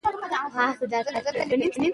که په تعلیم کې بریا وي نو ناهیلي نه وي.